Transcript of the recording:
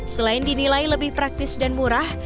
selain dinilai lebih praktis dan murah